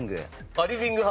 あっリビング派？